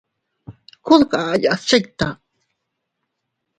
Kuu dkayas chikta.